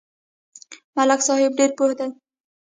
ملک صاحب ډېر پوه دی.